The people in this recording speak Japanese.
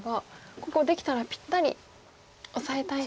ここできたらぴったりオサえたいですか。